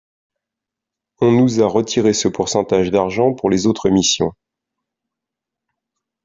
On nous a retiré ce pourcentage d’argent pour les autres missions.